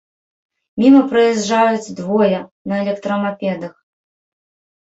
Міма праязджаюць двое на электрамапедах.